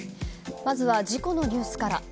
まずは事故のニュースから。